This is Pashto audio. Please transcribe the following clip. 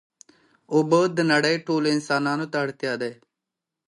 اوبه د نړۍ ټولو انسانانو ته اړتیا دي.